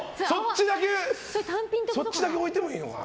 そっちだけ置いてもいいか。